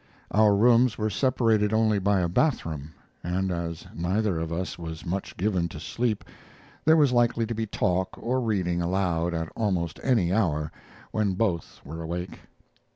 Our rooms were separated only by a bath room; and as neither of us was much given to sleep, there was likely to be talk or reading aloud at almost any hour when both were awake.